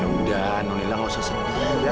ya udah nolila gak usah sepi ya